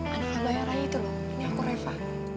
anak abah yang raya itu loh ini aku reva